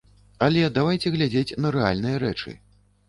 Але давайце глядзець на рэальныя рэчы.